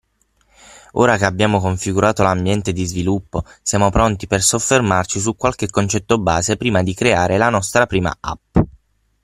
Ora che abbiamo configurato l’ambiente di sviluppo, siamo pronti per soffermarci su qualche concetto base prima di creare la nostra prima app.